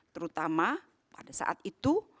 terutama pada saat itu